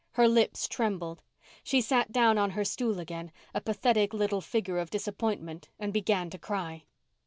Her lips trembled. She sat down on her stool again, a pathetic little figure of disappointment, and began to cry.